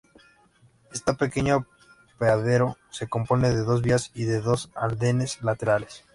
Esta pequeño apeadero se compone de dos vías y de dos andenes laterales.